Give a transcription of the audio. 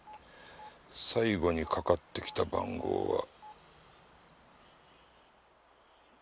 最後にかかってきた番号は。